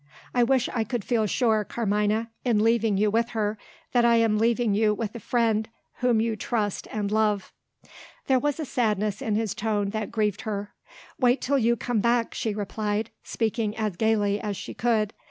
"I wish I could feel sure, Carmina in leaving you with her that I am leaving you with a friend whom you trust and love." There was a sadness in his tone that grieved her. "Wait till you come back," she replied, speaking as gaily as she could.